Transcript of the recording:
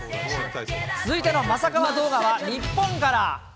続いてのまさカワ動画は日本から。